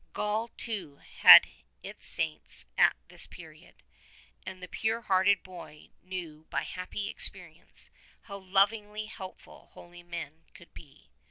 Gaul too had its saints at this period, and the pure hearted boy knew by happy experience how lovingly helpful holy men could be.